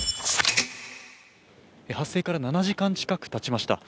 発生から７時間近くたちました。